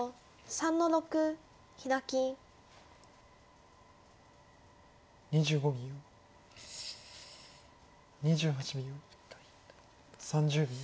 ３０秒。